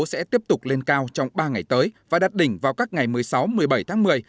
sẽ tiếp tục lên cao trong ba ngày tới và đặt đỉnh vào các ngày một mươi sáu một mươi bảy tháng một mươi